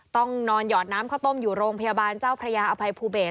ต้องนอนหยอดน้ำข้าวต้มอยู่โรงพยาบาลเจ้าพระยาอภัยภูเบศ